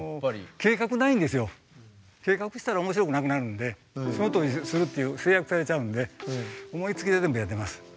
計画したら面白くなくなるんでそのとおりにするっていう制約されちゃうんで思いつきで全部やってます。